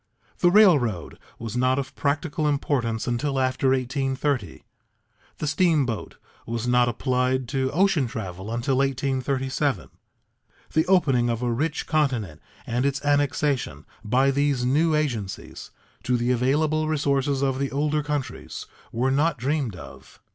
The railroad was not of practical importance until after 1830; the steamboat was not applied to ocean travel until 1837. The opening of a rich continent and its annexation, by these new agencies, to the available resources of the older countries were not dreamed of.